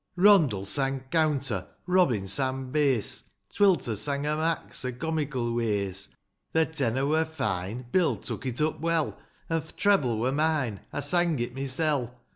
Rondle sang counter ; Robin sang hass ; Twilter sang o' rnaks O' comical ways; Th' tenor wur fine, — Bill took it up well ; An' th' treble wur mine, — I sang it mysel'